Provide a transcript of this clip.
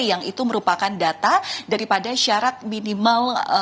yang itu merupakan data daripada syarat minimal